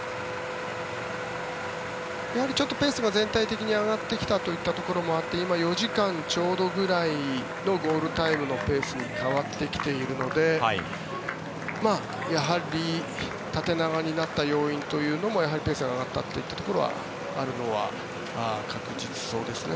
やはりペースが全体的に上がってきたところもあって今４時間ちょうどぐらいのゴールタイムのペースに変わってきているのでやはり、縦長になった要因というのもやはりペースが上がったというところはあるのは確実そうですね。